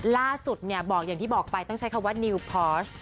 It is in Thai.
ล่าสุดเนี่ยบอกอย่างที่บอกไปต้องใช้คำว่านิวพอส